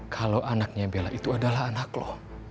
kalau anaknya bella itu adalah anak loh